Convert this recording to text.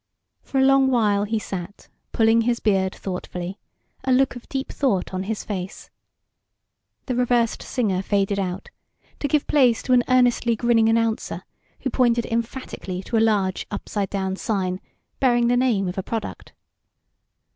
For a long while he sat, pulling his beard thoughtfully, a look of deep thought on his face. The reversed singer faded out, to give place to an earnestly grinning announcer who pointed emphatically to a large, upside down sign bearing the name of a product.